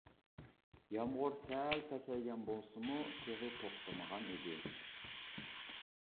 يامغۇر سەل پەسەيگەن بولسىمۇ، تېخى توختىمىغان ئىدى.